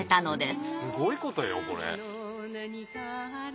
すごいことよこれ。